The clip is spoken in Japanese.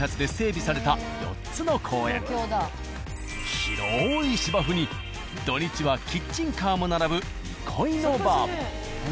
広い芝生に土日はキッチンカーも並ぶ憩いの場。